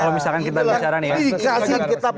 kalau misalkan kita bicara nih